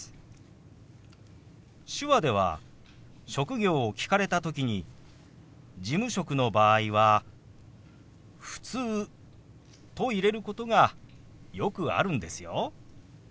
手話では職業を聞かれた時に事務職の場合は「ふつう」と入れることがよくあるんですよ。